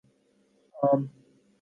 عام